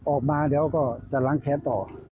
ออกมาแล้วก็จะล้างแขนต่อ